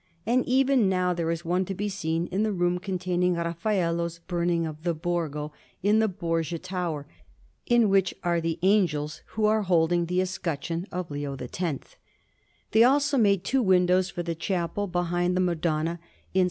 And even now there is one to be seen in the room containing Raffaello's Burning of the Borgo, in the Borgia Tower; in which are angels who are holding the escutcheon of Leo X. They also made two windows for the chapel behind the Madonna in S.